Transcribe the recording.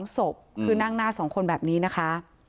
๒ศพคือนั่งหน้า๒คนแบบนี้นะคะ